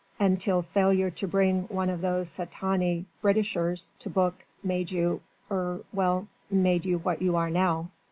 until failure to bring one of these satané Britishers to book made you ... er ... well, made you what you are now."